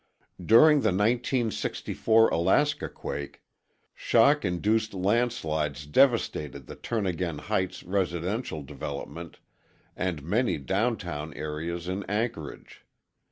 During the 1964 Alaska quake, shock induced landslides devastated the Turnagain Heights residential development and many downtown areas in Anchorage.